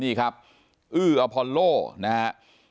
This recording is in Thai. นี่ครับอื้ออพอลโลนะครับ